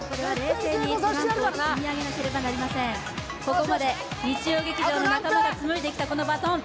ここまで日曜劇場の仲間がつむいできた、このバトン。